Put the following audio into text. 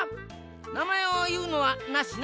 なまえをいうのはなしな。